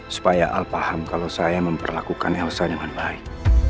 supaya al paham kalau saya memperlakukan helsanya dengan baik